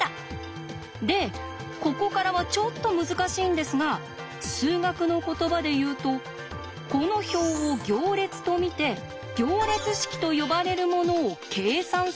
でここからはちょっと難しいんですが数学の言葉で言うとこの表を行列と見て行列式と呼ばれるものを計算するんです。